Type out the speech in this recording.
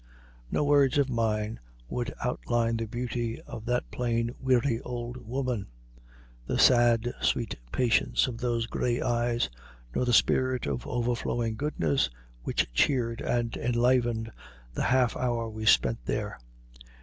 No words of mine would outline the beauty of that plain, weary old woman, the sad, sweet patience of those gray eyes, nor the spirit of overflowing goodness which cheered and enlivened the half hour we spent there.